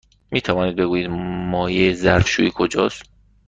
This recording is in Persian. می توانید بگویید مایع ظرف شویی کجاست؟